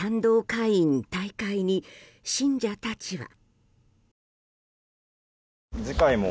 会員退会に信者たちは。